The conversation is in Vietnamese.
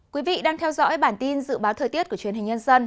quý vị đang theo dõi bản tin dự báo thời tiết của truyền hình nhân dân